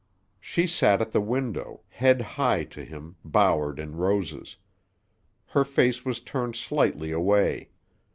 She sat at the window, head high to him, bowered in roses. Her face was turned slightly away.